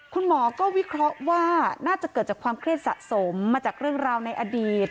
คุณหมอก็วิเคราะห์ว่าน่าจะเกิดจากความเครียดสะสมมาจากเรื่องราวในอดีต